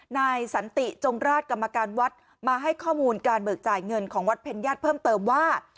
นายสันติจงราชกรรมการวัดมาให้ข้อมูลการเบิกจ่ายเงินของวัดเพ็ญญาติเพิ่มเติมว่า